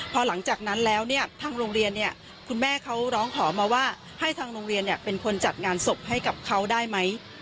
พอหลังจากนั้นแล้วเนี่ยทางโรงเรียนเนี่ยคุณแม่เขาร้องขอมาว่าให้ทางโรงเรียนเป็นคนจัดงานศพให้กับเขาได้ไหม